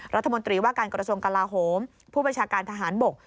รัฐมนตรีว่าการกรสมกลาโฮมผู้ประชาการทหารบก